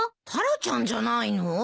タラちゃんじゃないの？